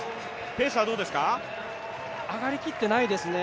ペースはどうですか？